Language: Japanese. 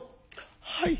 「はい。